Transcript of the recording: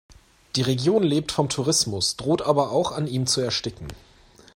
Die Region lebt vom Tourismus, droht aber auch an ihm zu ersticken.